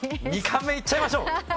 ２冠目いっちゃいましょう。